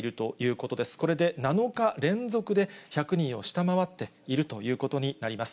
これで７日連続で１００人を下回っているということになります。